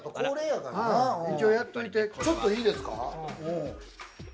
ちょっといいですか。